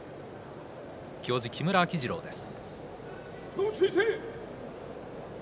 木村秋治郎です。